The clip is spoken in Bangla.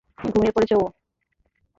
ঘুমিয়ে পড়েছে ও।